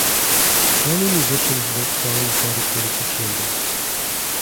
Many musicians wrote songs dedicated to Chambers.